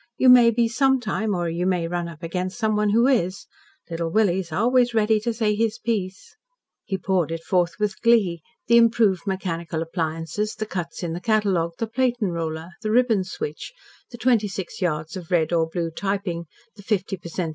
You may be sometime, or you may run up against someone who is. Little Willie's always ready to say his piece." He poured it forth with glee the improved mechanical appliances, the cuts in the catalogue, the platen roller, the ribbon switch, the twenty six yards of red or blue typing, the fifty per cent.